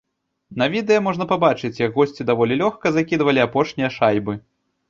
На відэа можна пабачыць, як госці даволі лёгка закідвалі апошнія шайбы.